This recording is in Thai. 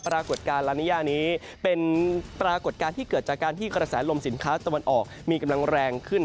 ปรากฏการณ์ลานิยานี้เป็นปรากฏการณ์ที่เกิดจากการที่กระแสลมสินค้าตะวันออกมีกำลังแรงขึ้น